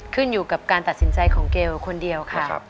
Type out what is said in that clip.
ขึ้นอยู่กับการตัดสินใจของเกลคนเดียวค่ะ